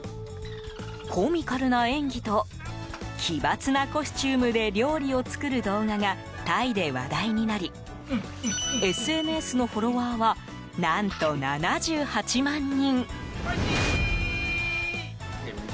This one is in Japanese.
コミカルな演技と奇抜なコスチュームで料理を作る動画がタイで話題になりＳＮＳのフォロワーは何と、７８万人。